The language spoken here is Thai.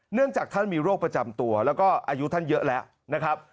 เนื่องจากท่านมีโรคประจำตัวแล้วก็อายุท่านเยอะแล้วนะครับ